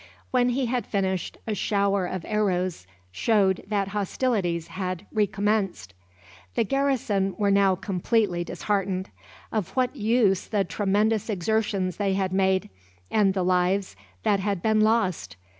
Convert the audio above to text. When he had finished, a shower of arrows showed that hostilities had recommenced. The garrison were now completely disheartened. Of what use the tremendous exertions they had made, and the lives that had been lost?